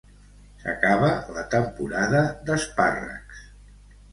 S'acaba la temporada d'espàrrecs